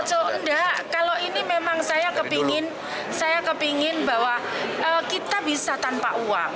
so enggak kalau ini memang saya kepingin bahwa kita bisa tanpa uang